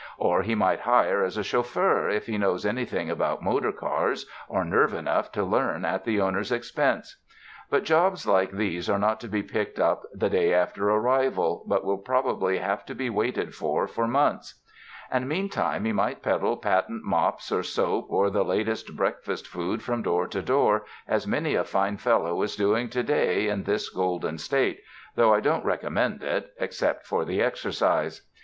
Or he might hire as a chauffeur if he knows anything about motor cars, or nerve enough to learn at the owner's expense. But jobs like these are not to be picked up the day after arrival, but will probably have to be waited for for months ; and meantime he might peddle patent mops or soap or the latest breakfast food from door to door as many a fine fellow is doing to day in this Golden State, though I don't recommend it, except for the exercise.